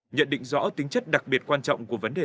nhận định rõ tính chất đặc biệt quan trọng của vấn đề này